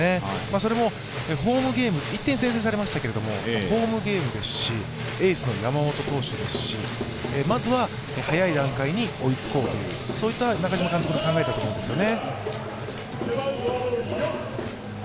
それも、１点先制されましたけど、ホームゲームですし、エースの山本投手ですしまずは早い段階に追いつこうといった中嶋監督の考えだと思うんですよね。